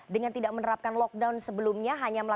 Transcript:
dengan tidak menerapkan lockdown sebelumnya